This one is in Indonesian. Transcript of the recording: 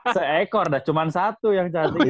seekor dah cuma satu yang cantik